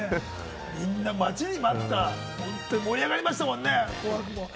みんな待ちに待った、『紅白』も盛り上がりましたもんね。